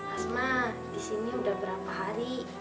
asma disini udah berapa hari